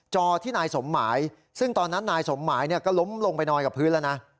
จอที่นายสมหมายซึ่งตอนนั้นนายสมหมายก็ล้มลงไปนอนกับพื้นแล้วนะ